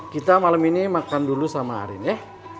kita malam ini makan dulu sama arin ya